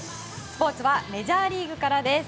スポーツはメジャーリーグからです。